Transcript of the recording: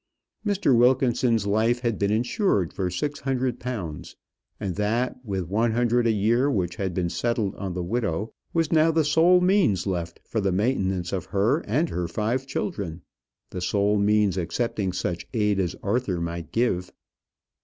Mr. Wilkinson's life had been insured for six hundred pounds; and that, with one hundred a year which had been settled on the widow, was now the sole means left for the maintenance of her and her five children; the sole means excepting such aid as Arthur might give.